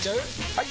・はい！